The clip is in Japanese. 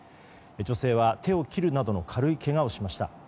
女性は手を切るなどの軽いけがをしました。